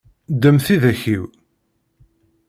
Ddem tidak-iw.